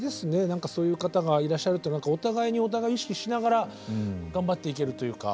何かそういう方がいらっしゃるってお互いにお互いを意識しながら頑張っていけるというか。